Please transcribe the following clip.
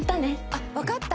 あっわかった！